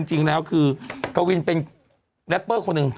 จริงแล้วคือกวินเป็นแรปเปอร์คนหนึ่ง